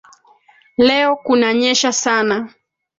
Leo kunanyesha sana